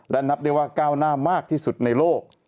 และนับได้ว่าก้าวหน้ามากที่สุดในโลก